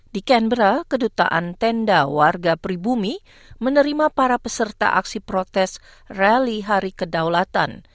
di kenbra kedutaan tenda warga pribumi menerima para peserta aksi protes rally hari kedaulatan